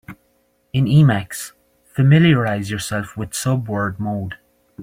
In Emacs, familiarize yourself with subword mode.